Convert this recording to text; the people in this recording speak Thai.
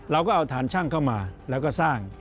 เราก็เอาฐานช่างเข้ามาแล้วก็สร้าง